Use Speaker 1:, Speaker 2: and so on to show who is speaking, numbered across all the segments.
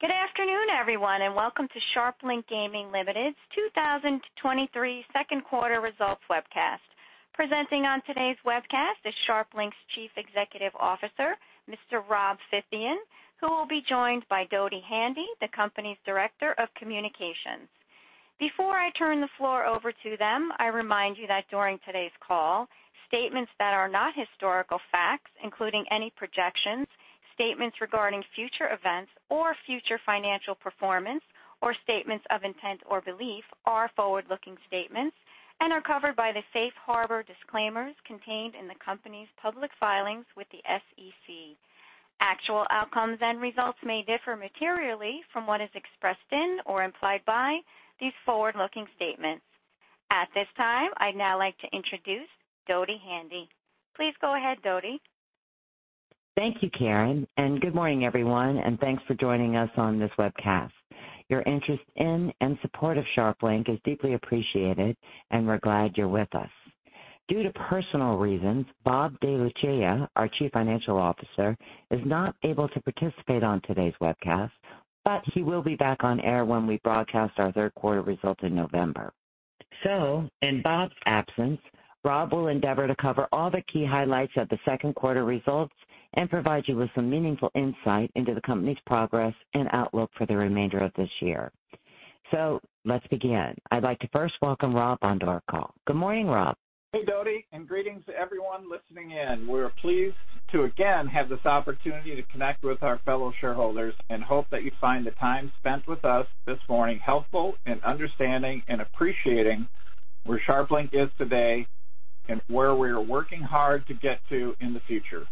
Speaker 1: Good afternoon, everyone, welcome to SharpLink Gaming Limited's 2023 Second Quarter Results Webcast. Presenting on today's webcast is SharpLink's Chief Executive Officer, Mr. Rob Phythian, who will be joined by Dodi Handy, the company's Director of Communications. Before I turn the floor over to them, I remind you that during today's call, statements that are not historical facts, including any projections, statements regarding future events or future financial performance, or statements of intent or belief, are forward-looking statements and are covered by the safe harbor disclaimers contained in the company's public filings with the SEC. Actual outcomes and results may differ materially from what is expressed in or implied by these forward-looking statements. At this time, I'd now like to introduce Dodi Handy. Please go ahead, Dodi.
Speaker 2: Thank you, Karen, and good morning, everyone, and thanks for joining us on this webcast. Your interest in and support of SharpLink is deeply appreciated, and we're glad you're with us. Due to personal reasons, Bob DeLucia, our Chief Financial Officer, is not able to participate on today's webcast, but he will be back on air when we broadcast our third quarter results in November. In Bob's absence, Rob will endeavor to cover all the key highlights of the second quarter results and provide you with some meaningful insight into the company's progress and outlook for the remainder of this year. Let's begin. I'd like to first welcome Rob onto our call. Good morning, Rob.
Speaker 3: Hey, Dodi, and greetings to everyone listening in. We're pleased to again have this opportunity to connect with our fellow shareholders and hope that you find the time spent with us this morning helpful in understanding and appreciating where SharpLink is today and where we are working hard to get to in the future.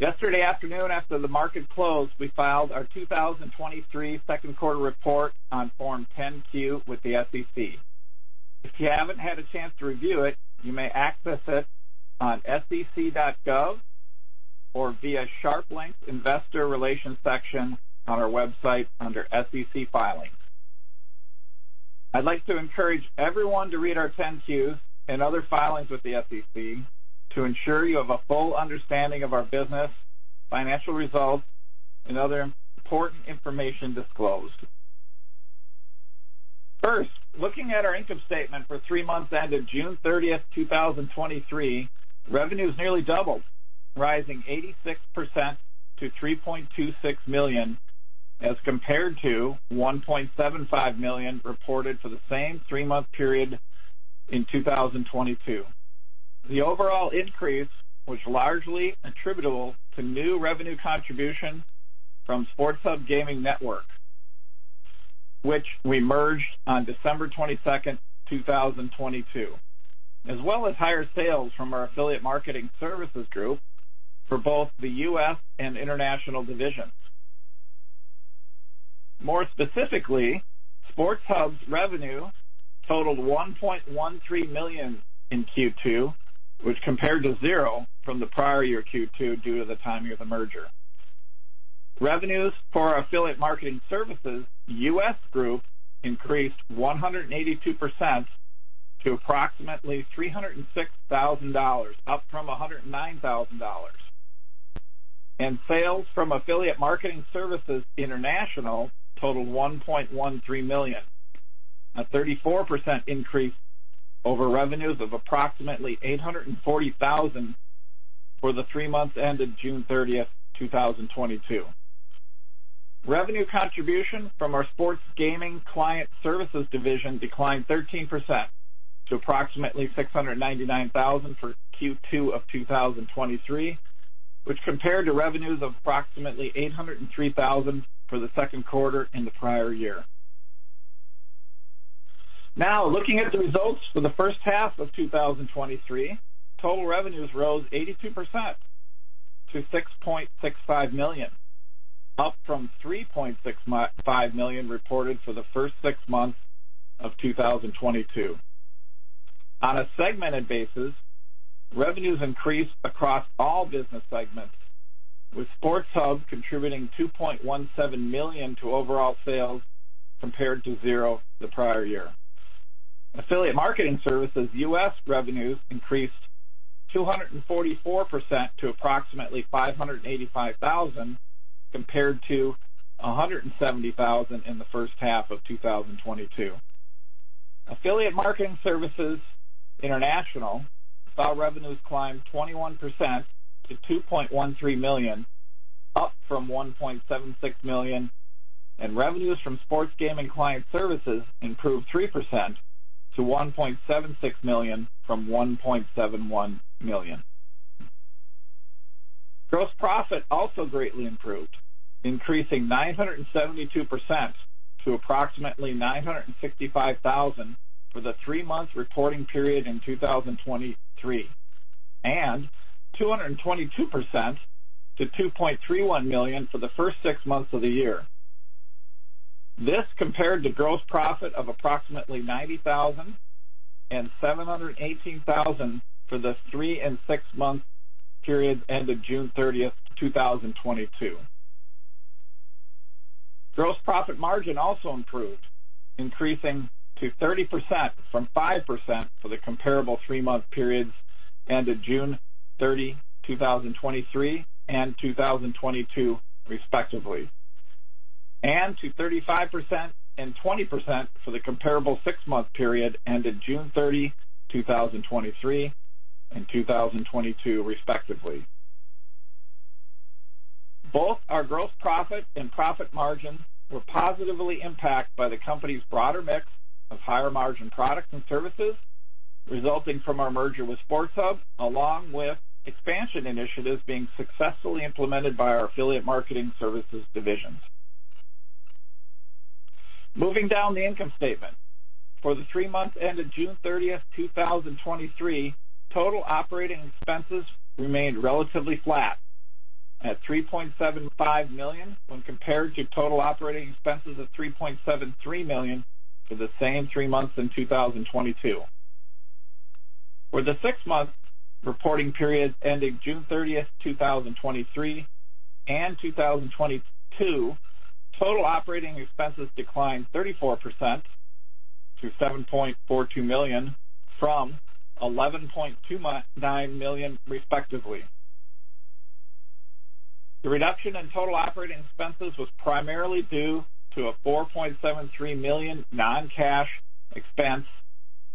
Speaker 3: Yesterday afternoon, after the market closed, we filed our 2023 second quarter report on Form 10-Q with the SEC. If you haven't had a chance to review it, you may access it on sec.gov or via SharpLink's Investor Relations section on our website under SEC Filings. I'd like to encourage everyone to read our 10-Qs and other filings with the SEC to ensure you have a full understanding of our business, financial results, and other important information disclosed. First, looking at our income statement for three months ended June 30th, 2023, revenue is nearly doubled, rising 86% to $3.26 million, as compared to $1.75 million reported for the same three-month period in 2022. The overall increase was largely attributable to new revenue contributions from SportsHub Games Network, which we merged on December 22nd, 2022, as well as higher sales from our affiliate marketing services group for both the U.S. and international divisions. More specifically, SportsHub's revenue totaled $1.13 million in Q2, which compared to zero from the prior year Q2 due to the timing of the merger. Revenues for our affiliate marketing services, U.S. group increased 182% to approximately $306,000, up from $109,000. Sales from affiliate marketing services international totaled $1.13 million, a 34% increase over revenues of approximately $840,000 for the three months ended June 30th, 2022. Revenue contribution from our sports gaming client services division declined 13% to approximately $699,000 for Q2 of 2023, which compared to revenues of approximately $803,000 for the second quarter in the prior year. Now, looking at the results for the first half of 2023, total revenues rose 82% to $6.65 million, up from $3.65 million reported for the first six months of 2022. On a segmented basis, revenues increased across all business segments, with SportsHub contributing $2.17 million to overall sales, compared to zero the prior year. Affiliate marketing services U.S. revenues increased 244% to approximately $585,000, compared to $170,000 in the first half of 2022. Affiliate marketing services international saw revenues climb 21% to $2.13 million, up from $1.76 million. Revenues from sports gaming client services improved 3% to $1.76 million from $1.71 million. Gross profit also greatly improved, increasing 972% to approximately $965,000 for the three-month reporting period in 2023, and 222% to $2.31 million for the first six months of the year. This compared to gross profit of approximately $90,000 and $718,000 for the three and six-month period ended June 30, 2022. Gross profit margin also improved, increasing to 30% from 5% for the comparable three-month periods ended June 30, 2023 and 2022, respectively, and to 35% and 20% for the comparable six-month period ended June 30, 2023 and 2022, respectively. Both our gross profit and profit margins were positively impacted by the company's broader mix of higher-margin products and services, resulting from our merger with SportsHub, along with expansion initiatives being successfully implemented by our affiliate marketing services divisions. Moving down the income statement. For the three months ended June 30th, 2023, total operating expenses remained relatively flat at $3.75 million when compared to total operating expenses of $3.73 million for the same three months in 2022. For the six-month reporting period ending June 30th, 2023 and 2022, total operating expenses declined 34% to $7.42 million from $11.29 million, respectively. The reduction in total operating expenses was primarily due to a $4.73 million non-cash expense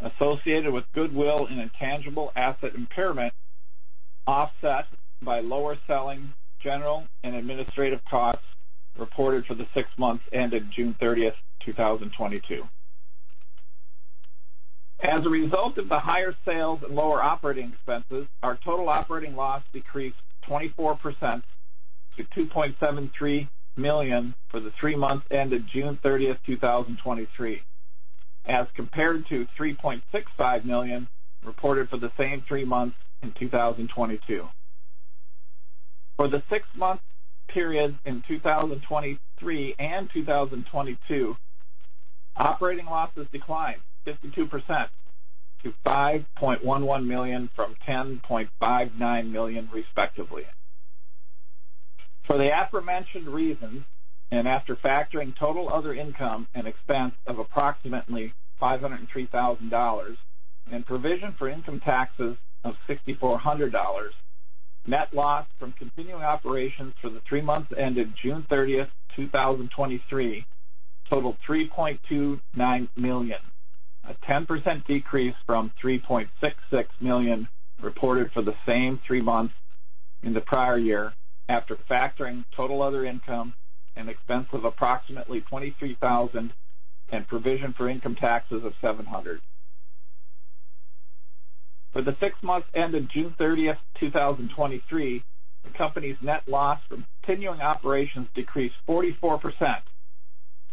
Speaker 3: associated with goodwill and intangible asset impairment, offset by lower selling, general, and administrative costs reported for the six months ended June 30th, 2022. As a result of the higher sales and lower operating expenses, our total operating loss decreased 24% to $2.73 million for the three months ended June 30th, 2023, as compared to $3.65 million reported for the same three months in 2022. For the six-month periods in 2023 and 2022, operating losses declined 52% to $5.11 million from $10.59 million, respectively. For the aforementioned reasons, and after factoring total other income and expense of approximately $503,000 and provision for income taxes of $6,400, net loss from continuing operations for the three months ended June 30, 2023 totaled $3.29 million, a 10% decrease from $3.66 million reported for the same three months in the prior year, after factoring total other income and expense of approximately $23,000 and provision for income taxes of $700. For the six months ended June 30, 2023, the company's net loss from continuing operations decreased 44%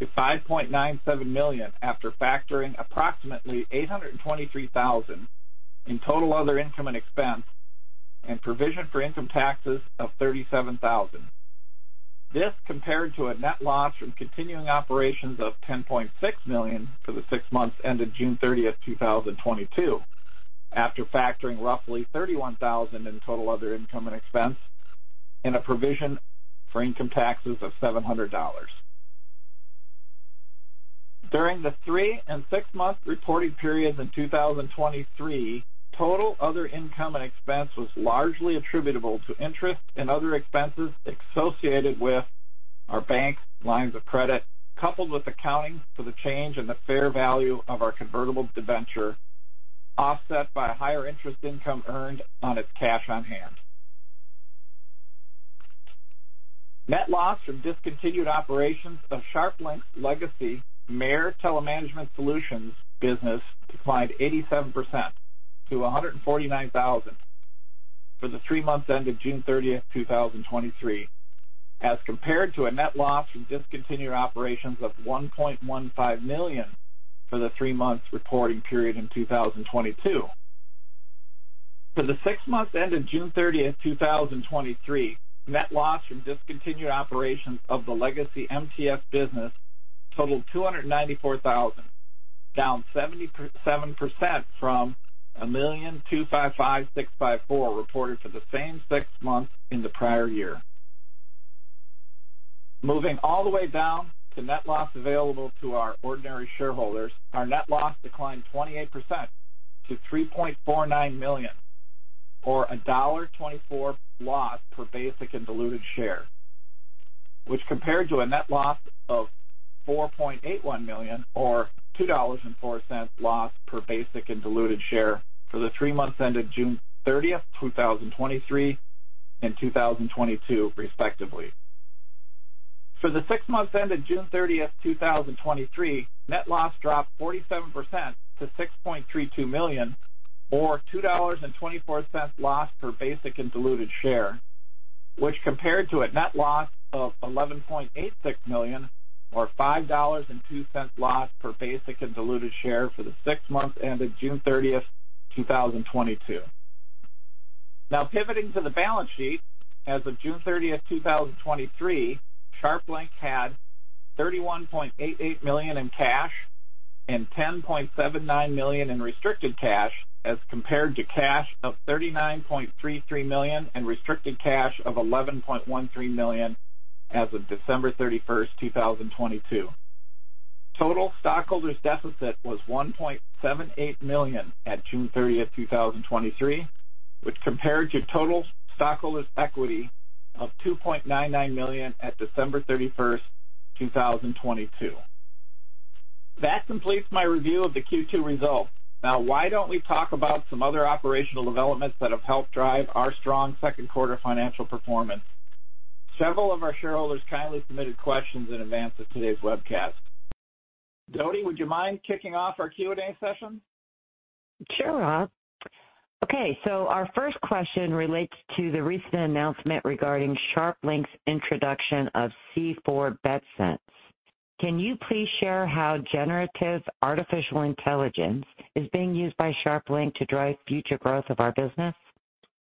Speaker 3: to $5.97 million, after factoring approximately $823,000 in total other income and expense and provision for income taxes of $37,000. This compared to a net loss from continuing operations of $10.6 million for the six months ended June 30, 2022, after factoring roughly $31,000 in total other income and expense and a provision for income taxes of $700. During the three and six-month reporting periods in 2023, total other income and expense was largely attributable to interest and other expenses associated with our bank's lines of credit, coupled with accounting for the change in the fair value of our convertible debenture, offset by higher interest income earned on its cash on hand. Net loss from discontinued operations of SharpLink's legacy Mer Telemanagement Solutions business declined 87% to $149,000 for the three months ended June 30, 2023, as compared to a net loss from discontinued operations of $1.15 million for the three-month reporting period in 2022. For the six months ended June 30, 2023, net loss from discontinued operations of the legacy MTS business totaled $294,000, down 77% from $1,255,654, reported for the same six months in the prior year. Moving all the way down to net loss available to our ordinary shareholders, our net loss declined 28% to $3.49 million, or a $1.24 loss per basic and diluted share, which compared to a net loss of $4.81 million, or $2.04 loss per basic and diluted share for the three months ended June 30th, 2023 and 2022, respectively. For the six months ended June 30th, 2023, net loss dropped 47% to $6.32 million, or $2.24 loss per basic and diluted share, which compared to a net loss of $11.86 million, or $5.02 loss per basic and diluted share for the six months ended June 30th, 2022. Pivoting to the balance sheet. As of June 30, 2023, SharpLink had $31.88 million in cash,... And $10.79 million in restricted cash as compared to cash of $39.33 million and restricted cash of $11.13 million as of December 31, 2022. Total stockholders' deficit was $1.78 million at June 30, 2023, which compared to total stockholders' equity of $2.99 million at December 31, 2022. That completes my review of the Q2 results. Now, why don't we talk about some other operational developments that have helped drive our strong second quarter financial performance? Several of our shareholders kindly submitted questions in advance of today's webcast. Dodi, would you mind kicking off our Q&A session?
Speaker 2: Sure, Rob. Okay, our first question relates to the recent announcement regarding SharpLink's introduction of C4 BetSense. Can you please share how generative artificial intelligence is being used by SharpLink to drive future growth of our business?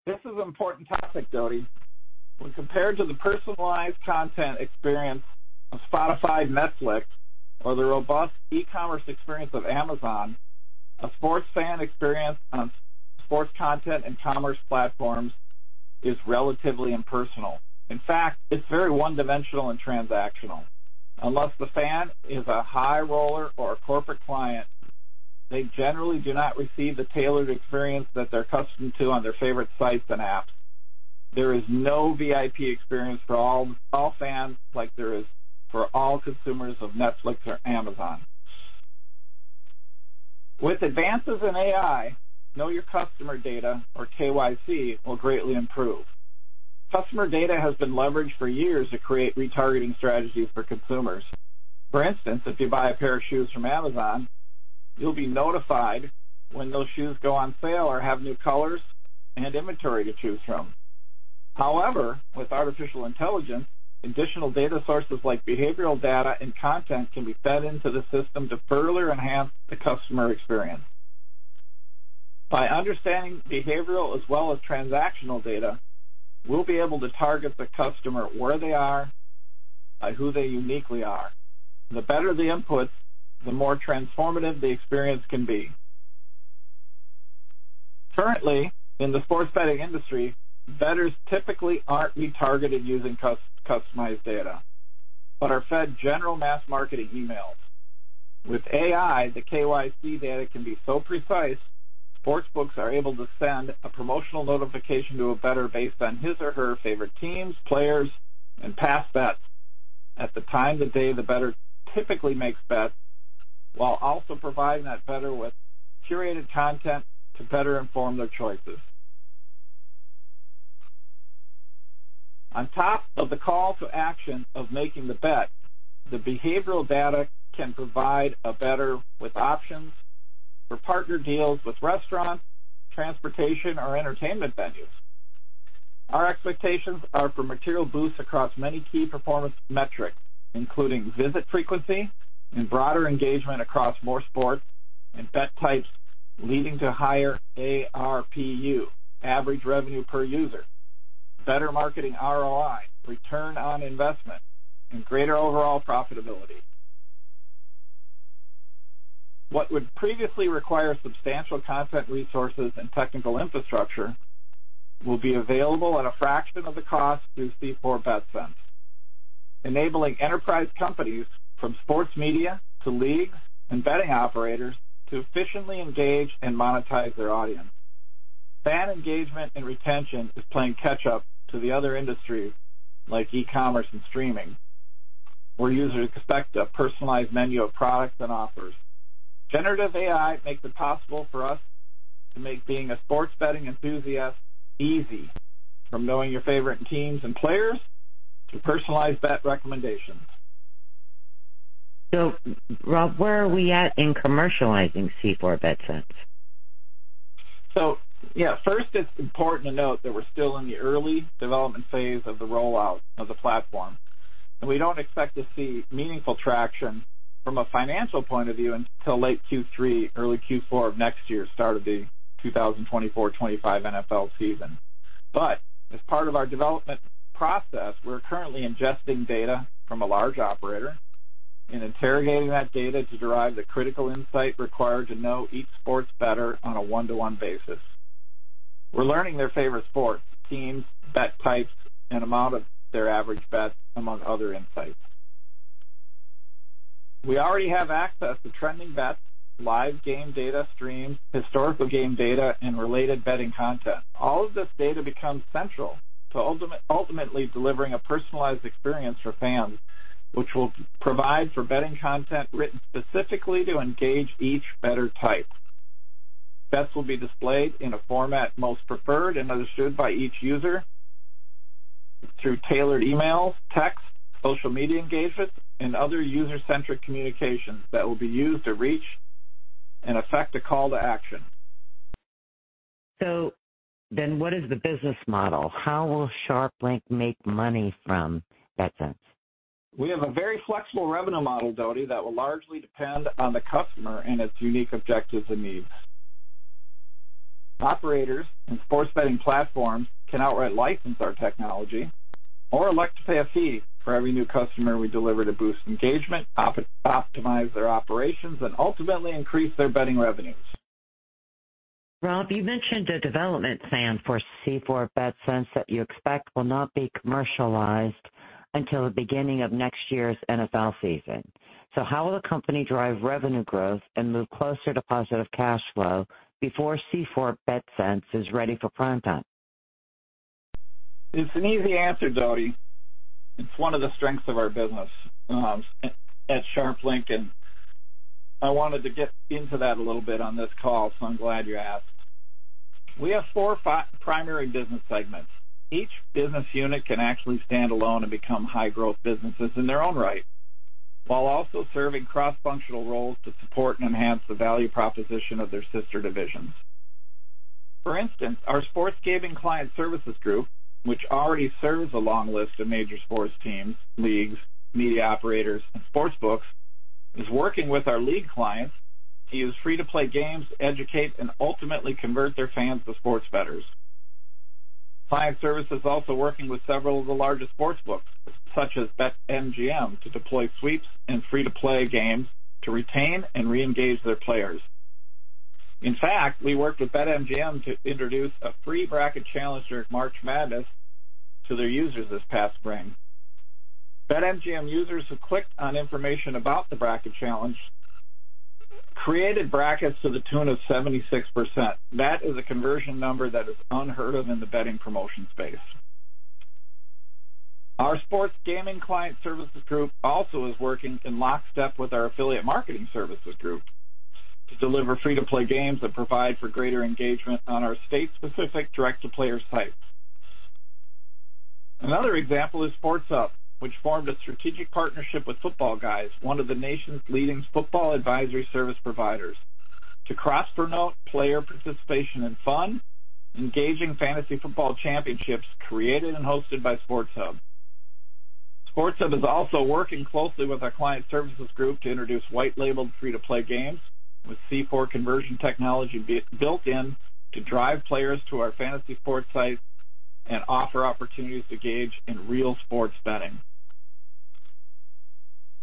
Speaker 3: This is an important topic, Dodi. When compared to the personalized content experience of Spotify, Netflix, or the robust e-commerce experience of Amazon, a sports fan experience on sports content and commerce platforms is relatively impersonal. In fact, it's very one-dimensional and transactional. Unless the fan is a high roller or a corporate client, they generally do not receive the tailored experience that they're accustomed to on their favorite sites and apps. There is no VIP experience for all, all fans like there is for all consumers of Netflix or Amazon. With advances in AI, Know Your Customer data, or KYC, will greatly improve. Customer data has been leveraged for years to create retargeting strategies for consumers. For instance, if you buy a pair of shoes from Amazon, you'll be notified when those shoes go on sale or have new colors and inventory to choose from. However, with artificial intelligence, additional data sources like behavioral data and content can be fed into the system to further enhance the customer experience. By understanding behavioral as well as transactional data, we'll be able to target the customer where they are by who they uniquely are. The better the inputs, the more transformative the experience can be. Currently, in the sports betting industry, bettors typically aren't retargeted using customized data but are fed general mass marketing emails. With AI, the KYC data can be so precise, sportsbooks are able to send a promotional notification to a bettor based on his or her favorite teams, players, and past bets at the time of day the bettor typically makes bets, while also providing that bettor with curated content to better inform their choices. On top of the call to action of making the bet, the behavioral data can provide a bettor with options for partner deals with restaurants, transportation, or entertainment venues. Our expectations are for material boosts across many key performance metrics, including visit frequency and broader engagement across more sports and bet types, leading to higher ARPU, average revenue per user, better marketing ROI, return on investment, and greater overall profitability. What would previously require substantial content, resources, and technical infrastructure will be available at a fraction of the cost through C4 BetSense, enabling enterprise companies from sports media to leagues and betting operators to efficiently engage and monetize their audience. Fan engagement and retention is playing catch-up to the other industries like e-commerce and streaming, where users expect a personalized menu of products and offers. Generative AI makes it possible for us to make being a sports betting enthusiast easy, from knowing your favorite teams and players to personalized bet recommendations.
Speaker 2: Rob, where are we at in commercializing C4 BetSense?
Speaker 3: Yeah, first, it's important to note that we're still in the early development phase of the rollout of the platform, and we don't expect to see meaningful traction from a financial point of view until late Q3, early Q4 of next year, start of the 2024, 2025 NFL season. As part of our development process, we're currently ingesting data from a large operator and interrogating that data to derive the critical insight required to know each sports bettor on a one-to-one basis. We're learning their favorite sports, teams, bet types, and amount of their average bets, among other insights. We already have access to trending bets, live game data streams, historical game data, and related betting content. All of this data becomes central to ultimately delivering a personalized experience for fans, which will provide for betting content written specifically to engage each bettor type. Bets will be displayed in a format most preferred and understood by each user through tailored emails, texts, social media engagements, and other user-centric communications that will be used to reach and affect a call to action.
Speaker 2: What is the business model? How will SharpLink make money from BetSense?
Speaker 3: We have a very flexible revenue model, Dodi, that will largely depend on the customer and its unique objectives and needs. Operators and sports betting platforms can outright license our technology or elect to pay a fee for every new customer we deliver to boost engagement, optimize their operations, and ultimately increase their betting revenues.
Speaker 2: Rob, you mentioned a development plan for C4 BetSense that you expect will not be commercialized until the beginning of next year's NFL season. How will the company drive revenue growth and move closer to positive cash flow before C4 BetSense is ready for primetime?
Speaker 3: It's an easy answer, Dodi. It's one of the strengths of our business, at SharpLink, and I wanted to get into that a little bit on this call, so I'm glad you asked. We have four, five primary business segments. Each business unit can actually stand alone and become high-growth businesses in their own right, while also serving cross-functional roles to support and enhance the value proposition of their sister divisions. For instance, our sports gaming client services group, which already serves a long list of major sports teams, leagues, media operators, and sportsbooks, is working with our league clients to use free-to-play games to educate and ultimately convert their fans to sports bettors. Client services is also working with several of the largest sportsbooks, such as BetMGM, to deploy sweeps and free-to-play games to retain and reengage their players. In fact, we worked with BetMGM to introduce a free bracket challenge during March Madness to their users this past spring. BetMGM users who clicked on information about the bracket challenge created brackets to the tune of 76%. That is a conversion number that is unheard of in the betting promotion space. Our sports gaming client services group also is working in lockstep with our affiliate marketing services group to deliver free-to-play games that provide for greater engagement on our state-specific direct-to-player sites. Another example is SportsHub, which formed a strategic partnership with Footballguys, one of the nation's leading football advisory service providers, to cross-promote player participation and fun, engaging fantasy football championships created and hosted by SportsHub. SportsHub is also working closely with our client services group to introduce white-labeled free-to-play games, with C4 conversion technology built in to drive players to our fantasy sports sites and offer opportunities to engage in real sports betting.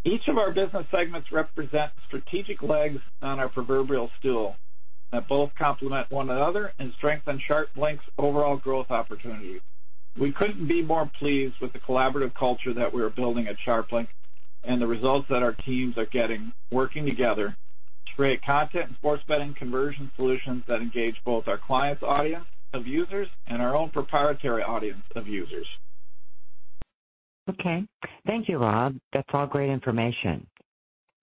Speaker 3: Each of our business segments represent strategic legs on our proverbial stool that both complement one another and strengthen SharpLink's overall growth opportunity. We couldn't be more pleased with the collaborative culture that we are building at SharpLink, and the results that our teams are getting, working together to create content and sports betting conversion solutions that engage both our clients' audience of users and our own proprietary audience of users.
Speaker 2: Okay. Thank you, Rob. That's all great information.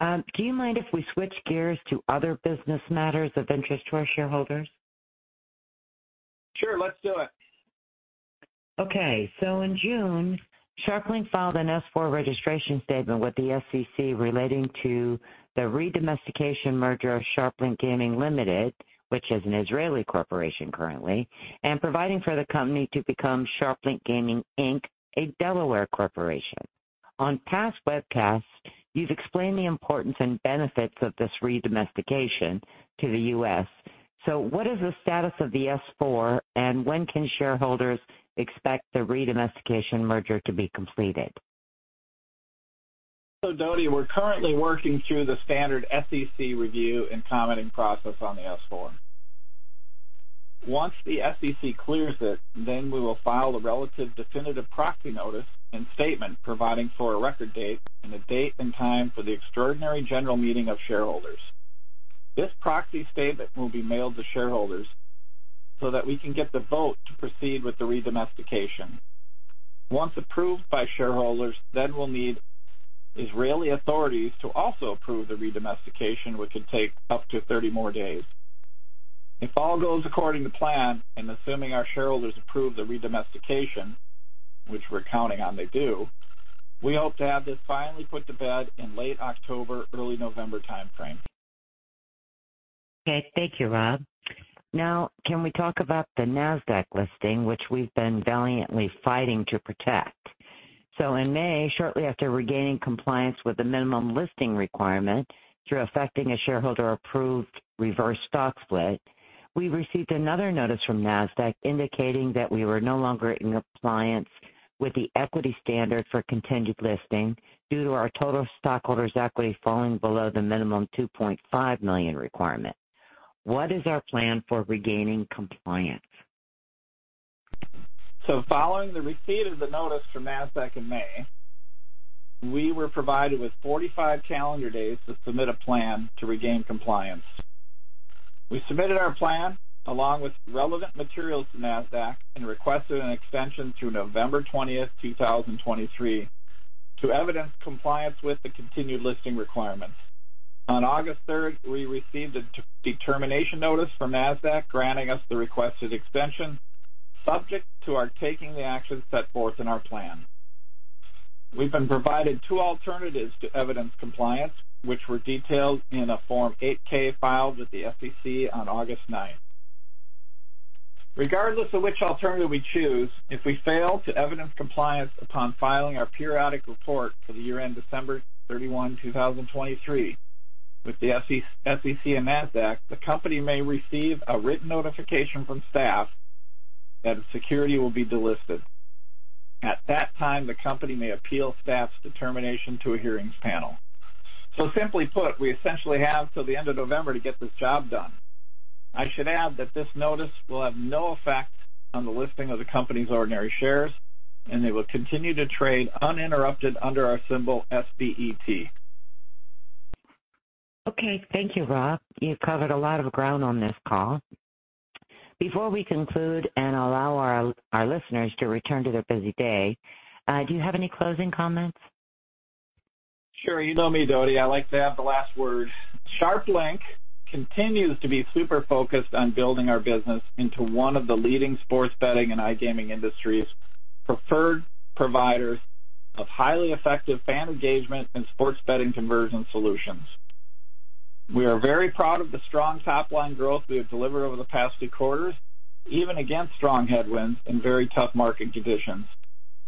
Speaker 2: Do you mind if we switch gears to other business matters of interest to our shareholders?
Speaker 3: Sure, let's do it.
Speaker 2: Okay. In June, SharpLink filed an S-4 registration statement with the SEC relating to the re-domestication merger of SharpLink Gaming Limited, which is an Israeli corporation currently, and providing for the company to become SharpLink Gaming, Inc, a Delaware corporation. On past webcasts, you've explained the importance and benefits of this re-domestication to the U.S. What is the status of the S-4, and when can shareholders expect the re-domestication merger to be completed?
Speaker 3: Dodi, we're currently working through the standard SEC review and commenting process on the S-4. Once the SEC clears it, then we will file the relative definitive proxy statement and statement providing for a record date and a date and time for the extraordinary general meeting of shareholders. This proxy statement will be mailed to shareholders so that we can get the vote to proceed with the re-domestication. Once approved by shareholders, then we'll need Israeli authorities to also approve the re-domestication, which could take up to 30 more days. If all goes according to plan, and assuming our shareholders approve the re-domestication, which we're counting on they do, we hope to have this finally put to bed in late October, early November timeframe.
Speaker 2: Okay. Thank you, Rob. Now, can we talk about the NASDAQ listing, which we've been valiantly fighting to protect? In May, shortly after regaining compliance with the minimum listing requirement through effecting a shareholder-approved reverse stock split, we received another notice from NASDAQ indicating that we were no longer in compliance with the equity standard for continued listing, due to our total stockholders equity falling below the minimum $2.5 million requirement. What is our plan for regaining compliance?
Speaker 3: Following the receipt of the notice from Nasdaq in May, we were provided with 45 calendar days to submit a plan to regain compliance. We submitted our plan, along with relevant materials, to Nasdaq and requested an extension through November 20th, 2023, to evidence compliance with the continued listing requirements. On August 3rd, we received a de-determination notice from Nasdaq granting us the requested extension, subject to our taking the actions set forth in our plan. We've been provided two alternatives to evidence compliance, which were detailed in a Form 8-K filed with the SEC on August 9. Regardless of which alternative we choose, if we fail to evidence compliance upon filing our periodic report for the year-end December 31, 2023, with the SEC and Nasdaq, the company may receive a written notification from staff that a security will be delisted. At that time, the company may appeal staff's determination to a hearings panel. Simply put, we essentially have till the end of November to get this job done. I should add that this notice will have no effect on the listing of the company's ordinary shares, and they will continue to trade uninterrupted under our symbol, SBET.
Speaker 2: Okay. Thank you, Rob. You've covered a lot of ground on this call. Before we conclude and allow our, our listeners to return to their busy day, do you have any closing comments?
Speaker 3: Sure. You know me, Dodi, I like to have the last word. SharpLink continues to be super focused on building our business into one of the leading sports betting and iGaming industry's preferred providers of highly effective fan engagement and sports betting conversion solutions. We are very proud of the strong top-line growth we have delivered over the past two quarters, even against strong headwinds and very tough market conditions.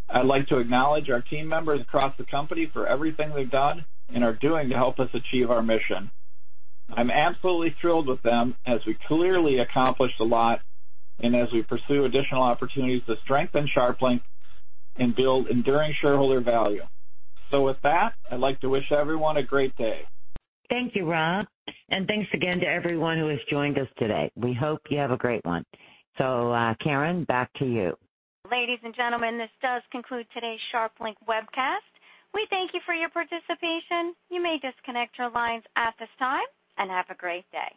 Speaker 3: I'd like to acknowledge our team members across the company for everything they've done and are doing to help us achieve our mission. I'm absolutely thrilled with them as we clearly accomplished a lot, and as we pursue additional opportunities to strengthen SharpLink and build enduring shareholder value. With that, I'd like to wish everyone a great day.
Speaker 2: Thank you, Rob, and thanks again to everyone who has joined us today. We hope you have a great one. Karen, back to you.
Speaker 1: Ladies and gentlemen, this does conclude today's SharpLink webcast. We thank you for your participation. You may disconnect your lines at this time and have a great day.